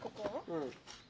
うん。